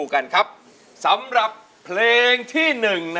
และสำหรับเพลงที่๑